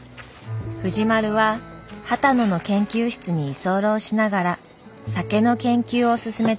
藤丸は波多野の研究室に居候しながら酒の研究を進めていました。